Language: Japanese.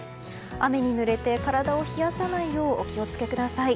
雨にぬれて体を冷やさないようにお気を付けください。